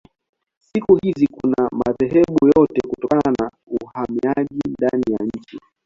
Siku hizi kuna madhehebu yote kutokana na uhamiaji ndani ya nchi.